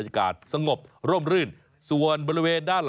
ยังมีสวนธรรม